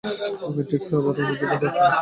ম্যাট্রিক্সে আবারও আমাদের পদচারণা চলবে!